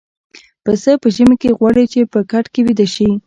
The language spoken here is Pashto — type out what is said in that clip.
پسه په ژمي کې غواړي چې په کټ کې ويده شي.